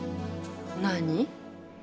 何？